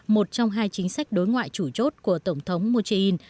một trong hai chính sách đối ngoại chủ chốt của tổng thống moon jae in